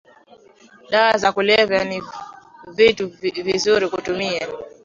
Dawa za kulevya si vitu vizuri kutumia